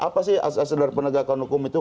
apa sih asal dari penegakan hukum itu